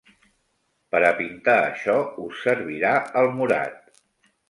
Per a pintar això, us servirà el morat.